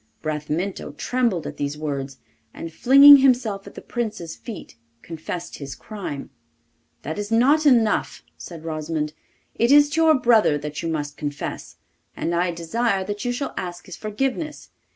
Bramintho trembled at these words, and, flinging himself at the Prince's feet, confessed his crime. 'That is not enough,' said Rosimond. 'It is to your brother that you must confess, and I desire that you shall ask his forgiveness.